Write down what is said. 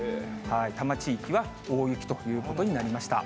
多摩地域は大雪ということになりました。